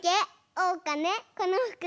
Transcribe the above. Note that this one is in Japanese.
おうかねこのふく